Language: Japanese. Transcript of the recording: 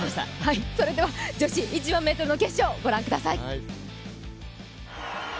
女子１００００ｍの決勝ご覧ください。